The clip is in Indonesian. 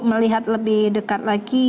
melihat lebih dekat lagi